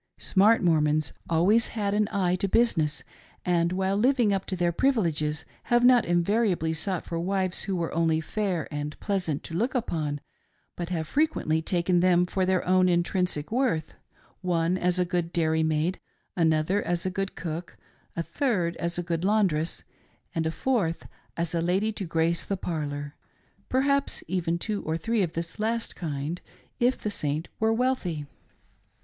Smart Mor mons have always had an eye to business, and while living up to their privileges have not invariably sought for wives who were only fair and pleasant to look upon, but have frequently taken them for their own intrinsic worth :— one as a good dairymaid, another as a good cook, a third as a good laun dress, and a fourth as a lady to grace the parlor— perhaps even two or three of this last kind, if the Saint were wealthy.